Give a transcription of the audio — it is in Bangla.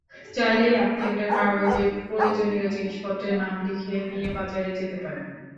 চাইলেই আপনি একটা কাগজে প্রয়োজনীয় জিনিসপত্রের নাম লিখে নিয়ে বাজারে যেতে পারেন।